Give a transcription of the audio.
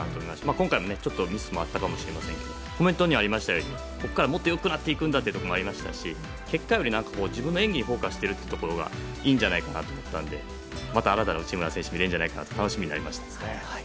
今回はミスもあったかもしれませんけどコメントにありましたようにここからもっと良くなっていくんだということもありましたし結果より自分の演技にフォーカスしているのがいいんじゃないかなと思ったのでまた新たな内村選手が見れるので楽しみだなと思いました。